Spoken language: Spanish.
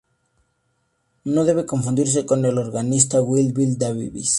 No debe confundirse con el organista Wild Bill Davis.